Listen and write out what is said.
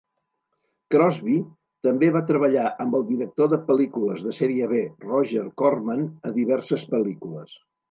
Crosby també va treballar amb el director de pel·lícules de sèrie B Roger Corman a diverses pel·lícules.